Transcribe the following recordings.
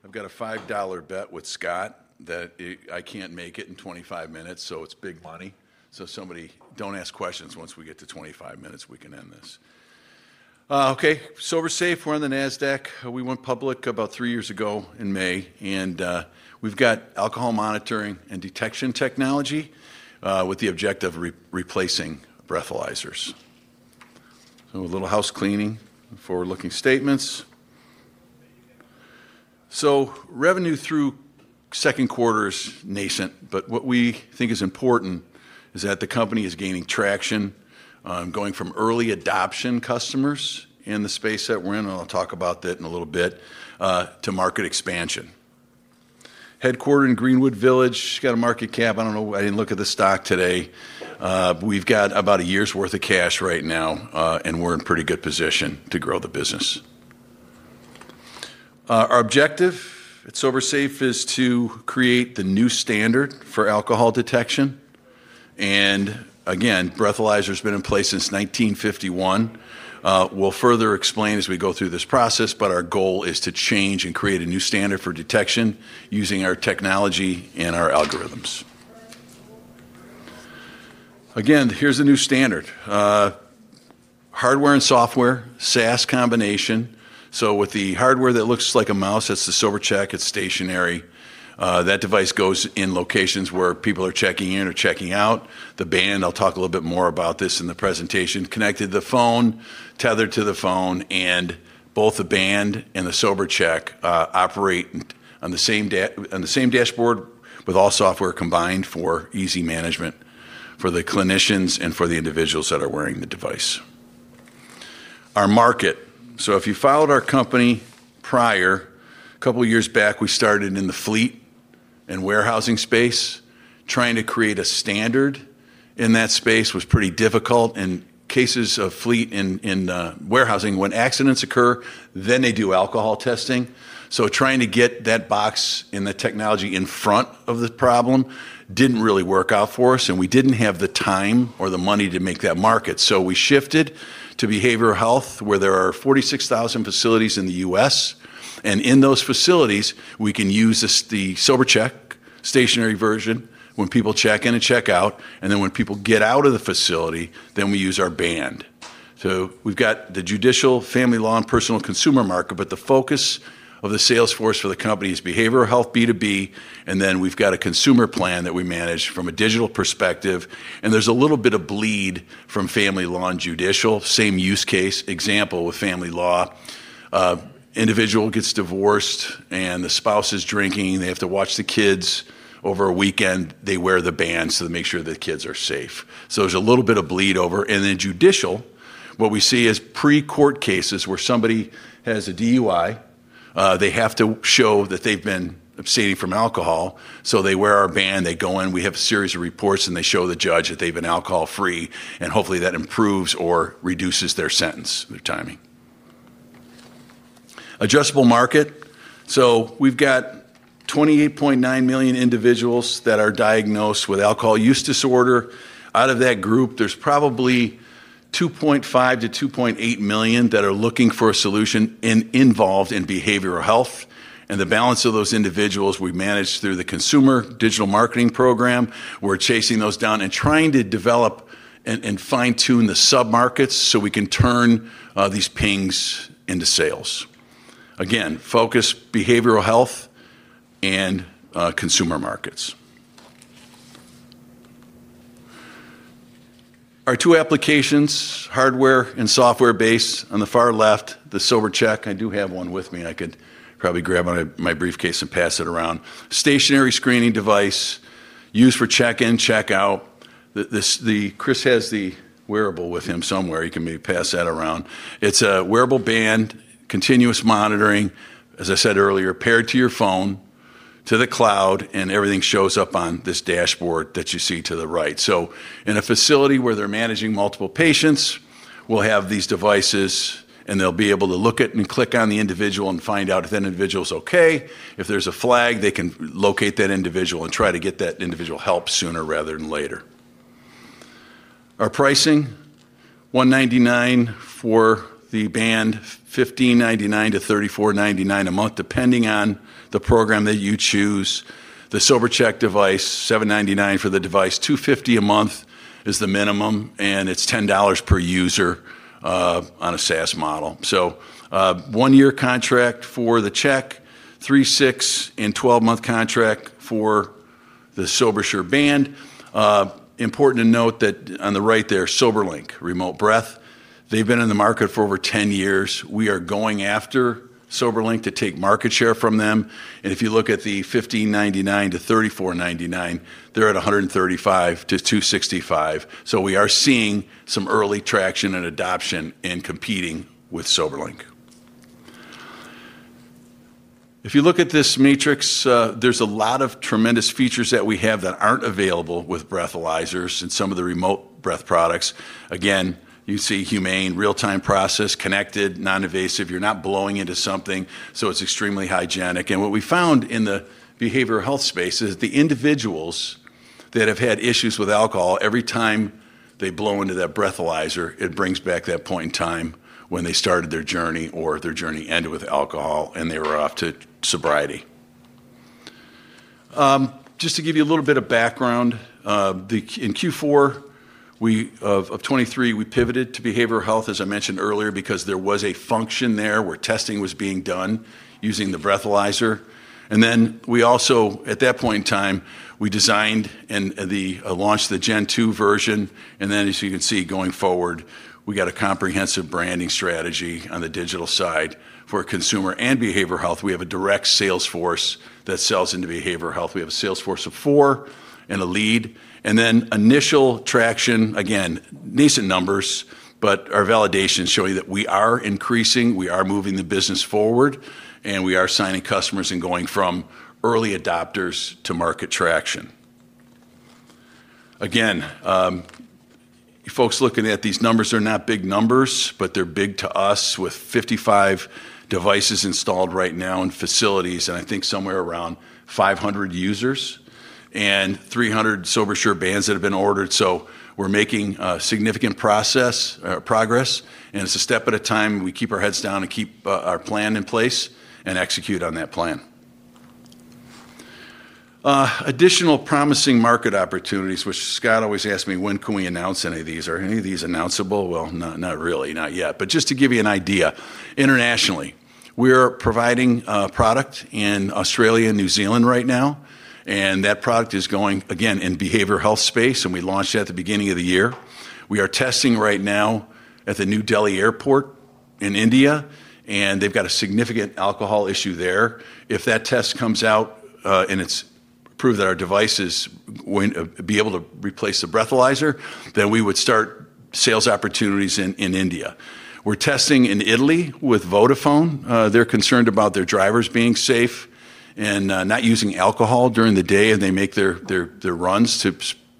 ... I've got a $5 bet with Scott that it, I can't make it in 25 minutes, so it's big money. So somebody, don't ask questions once we get to 25 minutes, we can end this. Okay, SOBRsafe, we're on the Nasdaq. We went public about three years ago in May, and we've got alcohol monitoring and detection technology with the objective replacing breathalyzers. So a little housecleaning, forward-looking statements. So revenue through second quarter is nascent, but what we think is important is that the company is gaining traction, going from early adoption customers in the space that we're in, and I'll talk about that in a little bit, to market expansion. Headquartered in Greenwood Village, got a market cap, I don't know, I didn't look at the stock today. We've got about a year's worth of cash right now, and we're in pretty good position to grow the business. Our objective at SOBRsafe is to create the new standard for alcohol detection. Breathalyzer's been in place since 1951. We'll further explain as we go through this process, but our goal is to change and create a new standard for detection using our technology and our algorithms. Again, here's the new standard. Hardware and software, SaaS combination. So with the hardware that looks like a mouse, that's the SOBRcheck. It's stationary. That device goes in locations where people are checking in or checking out. The band, I'll talk a little bit more about this in the presentation, connected to the phone, tethered to the phone, and both the band and the SOBRcheck operate on the same dashboard, with all software combined for easy management for the clinicians and for the individuals that are wearing the device. Our market, so if you followed our company prior, a couple of years back, we started in the fleet and warehousing space. Trying to create a standard in that space was pretty difficult, and cases of fleet in warehousing, when accidents occur, then they do alcohol testing. So trying to get that box and the technology in front of the problem didn't really work out for us, and we didn't have the time or the money to make that market. We shifted to behavioral health, where there are 46,000 facilities in the U.S., and in those facilities, we can use the SOBRcheck stationary version when people check in and check out, and then when people get out of the facility, then we use our band. We've got the judicial, family law, and personal consumer market, but the focus of the sales force for the company is behavioral health, B2B, and then we've got a consumer plan that we manage from a digital perspective, and there's a little bit of bleed from family law and judicial. Same use case. Example, with family law, individual gets divorced, and the spouse is drinking, and they have to watch the kids over a weekend. They wear the band, so to make sure the kids are safe. There's a little bit of bleed over, and then judicial, what we see is pre-court cases where somebody has a DUI. They have to show that they've been abstaining from alcohol. They wear our band, they go in, we have a series of reports, and they show the judge that they've been alcohol-free, and hopefully, that improves or reduces their sentence, their timing. Addressable market. We've got 28.9 million individuals that are diagnosed with Alcohol Use Disorder. Out of that group, there's probably 2.5-2.8 million that are looking for a solution and involved in behavioral health, and the balance of those individuals we manage through the consumer digital marketing program. We're chasing those down and trying to develop and fine-tune the submarkets so we can turn these pings into sales. Again, focus, behavioral health and consumer markets. Our two applications, hardware and software-based. On the far left, the SOBRcheck. I do have one with me. I could probably grab out of my briefcase and pass it around. Stationary screening device used for check-in, check-out. Chris has the wearable with him somewhere. He can maybe pass that around. It's a wearable band, continuous monitoring, as I said earlier, paired to your phone, to the cloud, and everything shows up on this dashboard that you see to the right. So in a facility where they're managing multiple patients, we'll have these devices, and they'll be able to look at and click on the individual and find out if that individual's okay. If there's a flag, they can locate that individual and try to get that individual help sooner rather than later. Our pricing, $199 for the band, $15.99-$34.99 a month, depending on the program that you choose. The SOBRcheck device, $799 for the device. $250 a month is the minimum, and it's $10 per user, on a SaaS model. So, one-year contract for the Check, three, six, and twelve-month contract for the SOBRsure band. Important to note that on the right there, SOBRlink, remote breath, they've been in the market for over 10 years. We are going after SOBRlink to take market share from them, and if you look at the $15.99-$34.99, they're at $135-$265. So we are seeing some early traction and adoption in competing with SOBRlink. If you look at this matrix, there's a lot of tremendous features that we have that aren't available with breathalyzers and some of the remote breath products. Again, you see humane, real-time process, connected, non-invasive. You're not blowing into something, so it's extremely hygienic, and what we found in the behavioral health space is the individuals that have had issues with alcohol, every time they blow into that breathalyzer, it brings back that point in time when they started their journey or their journey ended with alcohol, and they were off to sobriety. Just to give you a little bit of background, in Q4 of 2023, we pivoted to behavioral health, as I mentioned earlier, because there was a function there where testing was being done using the breathalyzer. And then we also, at that point in time, we designed and launched the Gen 2 version. And then, as you can see, going forward, we got a comprehensive branding strategy on the digital side for consumer and behavioral health. We have a direct sales force that sells into behavioral health. We have a sales force of four and a lead, and then initial traction, again, decent numbers, but our validations show you that we are increasing, we are moving the business forward, and we are signing customers and going from early adopters to market traction. Again, you folks looking at these numbers, they're not big numbers, but they're big to us, with 55 devices installed right now in facilities, and I think somewhere around 500 users and 300 SOBRsure bands that have been ordered. So we're making significant progress, and it's a step at a time. We keep our heads down and keep our plan in place and execute on that plan. Additional promising market opportunities, which Scott always asks me, "When can we announce any of these? Are any of these announceable?" Well, not really, not yet. But just to give you an idea, internationally, we're providing a product in Australia and New Zealand right now, and that product is going again in behavioral health space, and we launched it at the beginning of the year. We are testing right now at the New Delhi airport in India, and they've got a significant alcohol issue there. If that test comes out and it's proved that our devices would be able to replace the breathalyzer, then we would start sales opportunities in India. We're testing in Italy with Vodafone. They're concerned about their drivers being safe and not using alcohol during the day as they make their runs to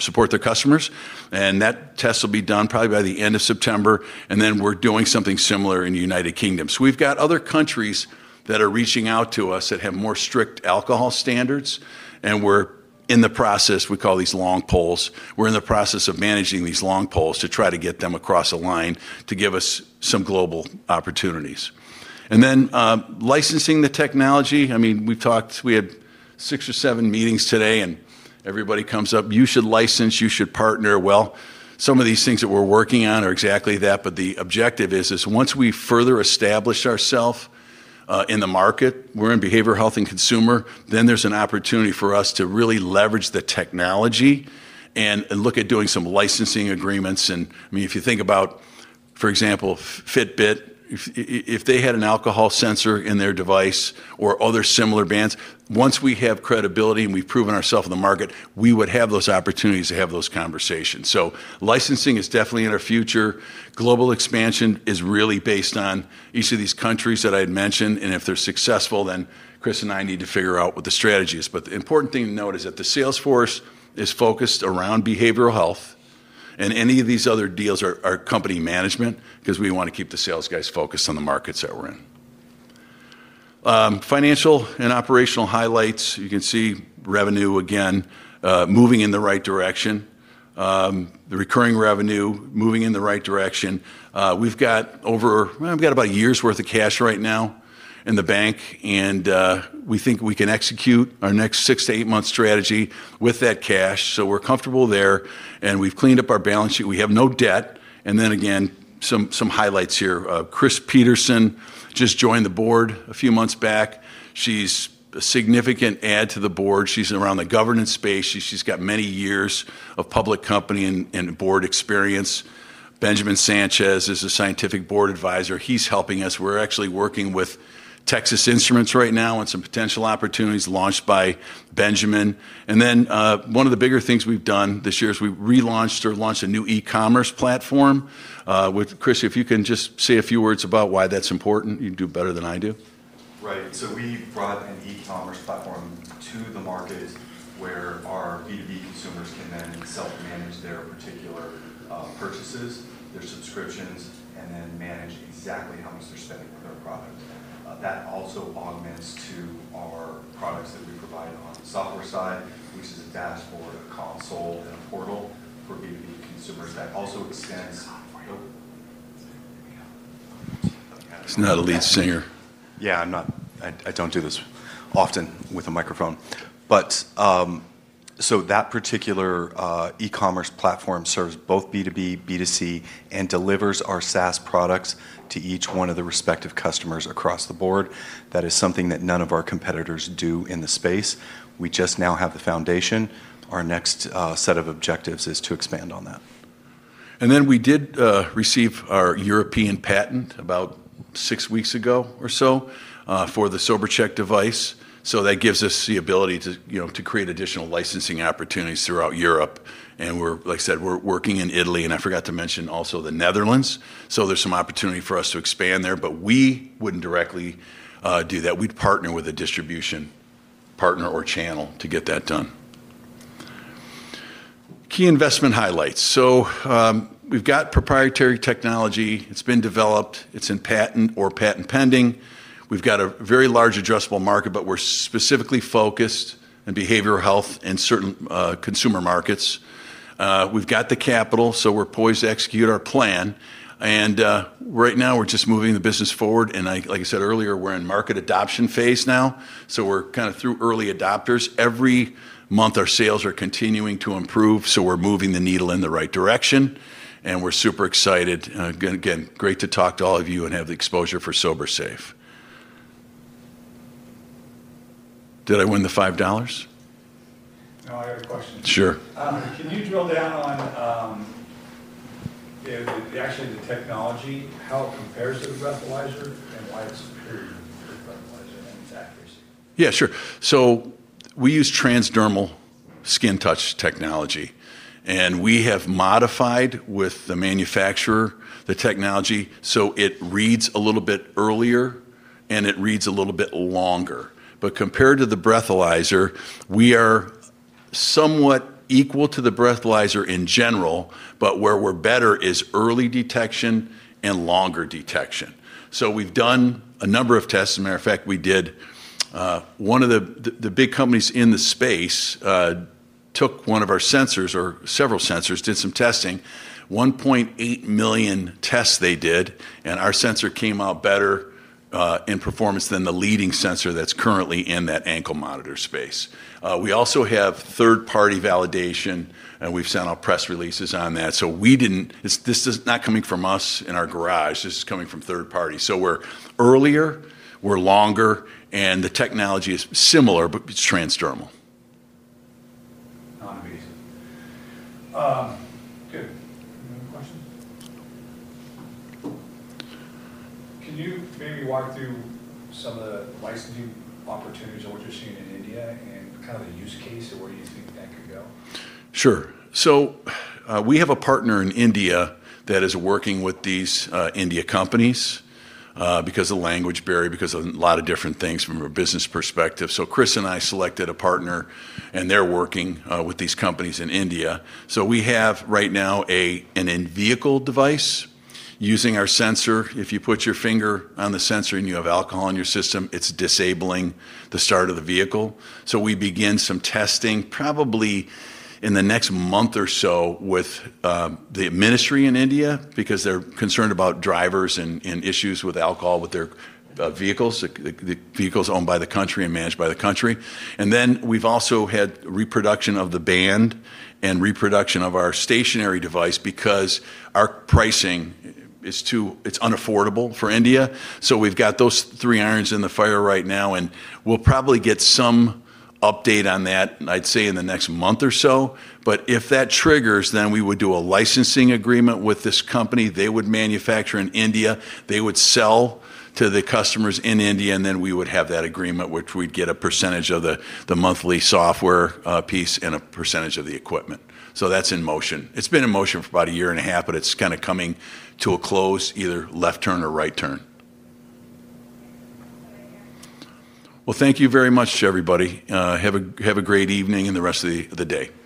support their customers, and that test will be done probably by the end of September, and then we're doing something similar in the United Kingdom, so we've got other countries that are reaching out to us that have more strict alcohol standards, and we're in the process. We call these long poles. We're in the process of managing these long poles to try to get them across the line to give us some global opportunities, and then licensing the technology, I mean, we've talked. We had six or seven meetings today, and everybody comes up, "You should license. You should partner." Well, some of these things that we're working on are exactly that, but the objective is once we further establish ourselves in the market we're in behavioral health and consumer, then there's an opportunity for us to really leverage the technology and look at doing some licensing agreements. And I mean, if you think about, for example, Fitbit, if, if they had an alcohol sensor in their device or other similar bands, once we have credibility and we've proven ourselves in the market, we would have those opportunities to have those conversations. So licensing is definitely in our future. Global expansion is really based on each of these countries that I'd mentioned, and if they're successful, then Chris and I need to figure out what the strategy is. But the important thing to note is that the sales force is focused around behavioral health, and any of these other deals are company management, 'cause we wanna keep the sales guys focused on the markets that we're in. Financial and operational highlights. You can see revenue again moving in the right direction, the recurring revenue moving in the right direction. We've got about a year's worth of cash right now in the bank, and we think we can execute our next six- to eight-month strategy with that cash, so we're comfortable there. And we've cleaned up our balance sheet. We have no debt. And then again, some highlights here. Chris Peterson just joined the board a few months back. She's a significant add to the board. She's around the governance space. She, she's got many years of public company and board experience. Benjamin Sanchez is a scientific board advisor. He's helping us. We're actually working with Texas Instruments right now on some potential opportunities launched by Benjamin. And then, one of the bigger things we've done this year is we've relaunched or launched a new e-commerce platform with Chris, if you can just say a few words about why that's important. You'd do better than I do. Right. So we brought an e-commerce platform to the market, where our B2B consumers can then self-manage their particular purchases, their subscriptions, and then manage exactly how much they're spending on their product. That also augments to our products that we provide on the software side, which is a dashboard, a console, and a portal for B2B consumers that also extends- He's not a lead singer. Yeah, I'm not. I don't do this often with a microphone. But, so that particular e-commerce platform serves both B2B, B2C, and delivers our SaaS products to each one of the respective customers across the board. That is something that none of our competitors do in the space. We just now have the foundation. Our next set of objectives is to expand on that. And then we did receive our European patent about six weeks ago or so for the SOBRcheck device. So that gives us the ability to, you know, to create additional licensing opportunities throughout Europe, and we're, like I said, we're working in Italy, and I forgot to mention also the Netherlands. So there's some opportunity for us to expand there, but we wouldn't directly do that. We'd partner with a distribution partner or channel to get that done. Key investment highlights. So, we've got proprietary technology. It's been developed. It's in patent or patent pending. We've got a very large addressable market, but we're specifically focused on behavioral health in certain consumer markets. We've got the capital, so we're poised to execute our plan, and right now we're just moving the business forward, and I, like I said earlier, we're in market adoption phase now. So we're kind of through early adopters. Every month our sales are continuing to improve, so we're moving the needle in the right direction, and we're super excited. Again, great to talk to all of you and have the exposure for SOBRsafe. Did I win the $5? No, I got a question. Sure. Can you drill down on, actually, the technology, how it compares to the breathalyzer and why it's superior to the breathalyzer and its accuracy? Yeah, sure. So we use transdermal skin touch technology, and we have modified with the manufacturer the technology, so it reads a little bit earlier, and it reads a little bit longer. But compared to the breathalyzer, we are somewhat equal to the breathalyzer in general, but where we're better is early detection and longer detection. So we've done a number of tests. Matter of fact, we did one of the big companies in the space took one of our sensors, or several sensors, did some testing. 1.8 million tests they did, and our sensor came out better in performance than the leading sensor that's currently in that ankle monitor space. We also have third-party validation, and we've sent out press releases on that. So this is not coming from us in our garage. This is coming from third party, so we're earlier, we're longer, and the technology is similar, but it's transdermal. Amazing. Good. Any more questions? Can you maybe walk through some of the licensing opportunities of what you're seeing in India and kind of the use case, and where do you think that could go? Sure. We have a partner in India that is working with these Indian companies because of the language barrier, because of a lot of different things from a business perspective. Chris and I selected a partner, and they're working with these companies in India. We have right now an in-vehicle device using our sensor. If you put your finger on the sensor and you have alcohol in your system, it's disabling the start of the vehicle. We begin some testing, probably in the next month or so, with the ministry in India because they're concerned about drivers and issues with alcohol with their vehicles, the vehicles owned by the country and managed by the country. We've also had reproduction of the band and reproduction of our stationary device because our pricing is too... It's unaffordable for India. So we've got those three irons in the fire right now, and we'll probably get some update on that, I'd say, in the next month or so. But if that triggers, then we would do a licensing agreement with this company. They would manufacture in India. They would sell to the customers in India, and then we would have that agreement, which we'd get a percentage of the monthly software piece and a percentage of the equipment. So that's in motion. It's been in motion for about a year and a half, but it's kinda coming to a close, either left turn or right turn. Well, thank you very much, everybody. Have a great evening and the rest of the day. Appreciate it.